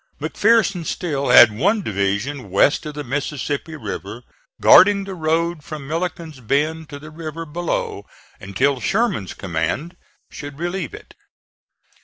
McPherson still had one division west of the Mississippi River, guarding the road from Milliken's Bend to the river below until Sherman's command should relieve it.